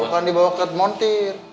bukan dibawa ke montir